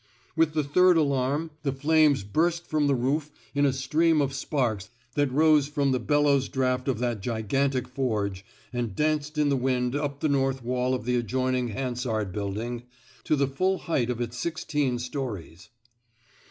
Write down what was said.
With the third alarm the flames 195 THE SMOKE EATEES burst from the roof in a stream of sparks that rose from the bellows draft of that gigantic forge, and danced in the wind up the north wall of the adjoining Hansard Building to the full height of dts sixteen stories.